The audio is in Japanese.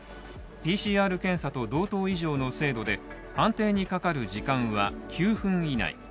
ＰＣＲ検査と同等以上の精度で判定にかかる時間は９分以内。